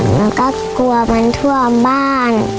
หนูก็กลัวมันท่วมบ้าน